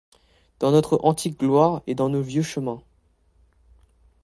Dans notre antique gloire et dans nos vieux chemins.